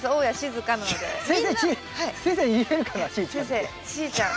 先生「しーちゃん」。